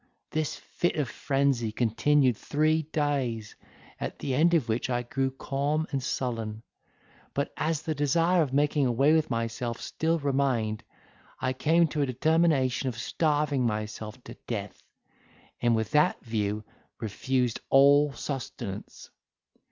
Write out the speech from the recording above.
This fit of frenzy continued three days, at the end of which I grew calm and sullen: but as the desire of making away with myself still remained, I came to a determination of starving myself to death, and with that view refused all sustenance.